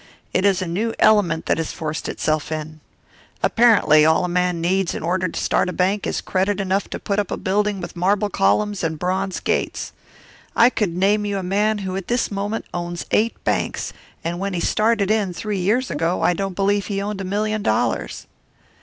It is a new element that has forced itself in. Apparently all a man needs in order to start a bank is credit enough to put up a building with marble columns and bronze gates. I could name you a man who at this moment owns eight banks, and when he started in, three years ago, I don't believe he owned a million dollars."